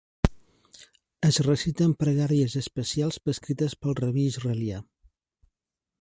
Es reciten pregàries especials prescrites pel rabí israelià.